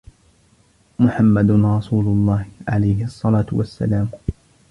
محمد رسول الله، عليه الصلاة والسلام